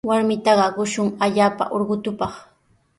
Warmitaqa qusan allaapa ullqutupaq.